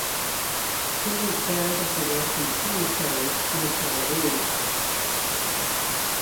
He was buried at the Yarkon Cemetery near Tel Aviv.